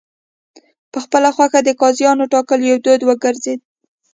په خپله خوښه د قاضیانو ټاکل یو دود وګرځېد.